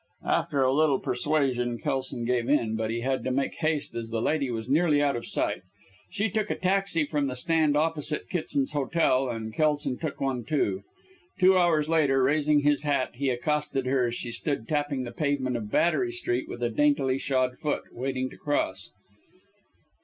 After a little persuasion Kelson gave in, but he had to make haste as the lady was nearly out of sight. She took a taxi from the stand opposite Kitson's hotel, and Kelson took one, too. Two hours later, raising his hat, he accosted her as she stood tapping the pavement of Battery Street with a daintily shod foot, waiting to cross.